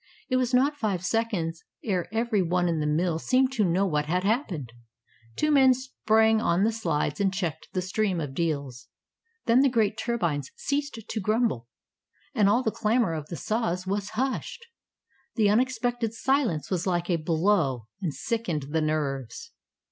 It was not five seconds ere every one in the mill seemed to know what had happened. Two men sprang on the slides and checked the stream of deals. Then the great turbines ceased to grumble, and all the clamor of the saws was hushed. The unexpected silence was like a blow, and sickened the nerves.